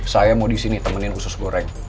saya mau disini temenin usus goreng